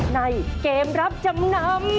ในเกมรับจำนำ